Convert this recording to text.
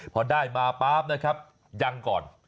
พอได้มาป๊าบนะครับยังก่อน